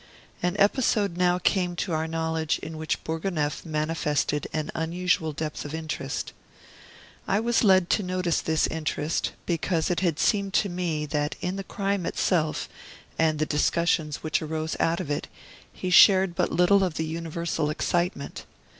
An episode now came to our knowledge in which Bourgonef manifested an unusual depth of interest. I was led to notice this interest, because it had seemed to me that in the crime itself, and the discussions which arose out of it, he shared but little of the universal excitement.